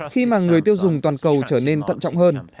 khi mà người tiêu dùng toàn cầu trở nên tận trọng hơn